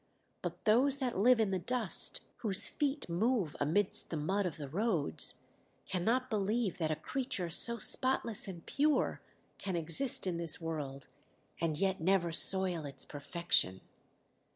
But those that live in the dust, whose feet move amidst the mud of the roads, cannot believe that a creature so spotless and pure can exist in this world and yet never soil its perfection!